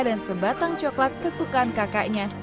dan sebatang coklat kesukaan kakaknya